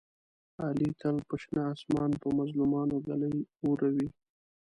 علي تل په شنه اسمان په مظلومانو ږلۍ اوروي.